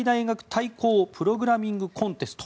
対抗プログラミングコンテスト。